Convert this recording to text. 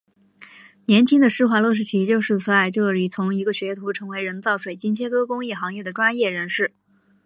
年轻的施华洛世奇就是在这里从一个学徒成为人造水晶切割工艺行业的专业人士。